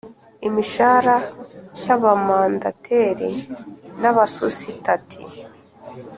Imishara y Abamandateri n Abasusitati